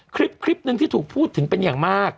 คลิปหนึ่งที่ถูกพูดถึงเป็นอย่างมาก